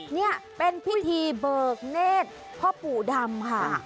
นี่เป็นพิธีเบิกเนธพ่อปู่ดำค่ะ